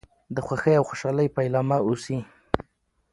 د خوښۍ او خوشحالی پيلامه اوسي .